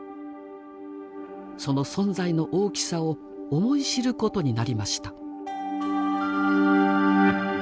その存在の大きさを思い知ることになりました。